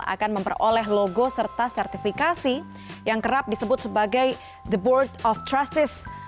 akan memperoleh logo serta sertifikasi yang kerap disebut sebagai the board of trusce